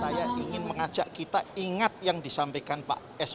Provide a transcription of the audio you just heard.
saya ingin mengajak kita ingat yang disampaikan pak sby